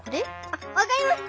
あっわかります